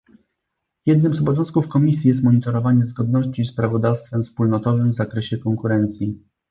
Jednym z obowiązków Komisji jest monitorowanie zgodności z prawodawstwem wspólnotowym w zakresie konkurencji